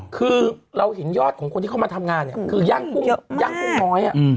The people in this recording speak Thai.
คือเราเห็นยอดของคนที่เข้ามาทำงานเนี่ยคือย่างกุ้งน้อย